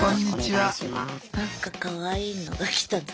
なんかかわいいのが来たぞ。